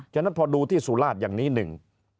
ฉะนั้นพอดูที่สุราชอย่างนี้หนึ่ง